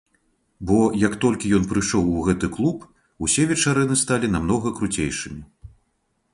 Бо, як толькі ён прыйшоў ў гэты клуб, усе вечарыны сталі намнога круцейшымі!